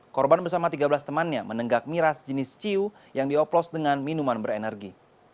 korban bersama tiga belas temannya menenggak miras jenis ciu yang dioplos dengan minuman berenergi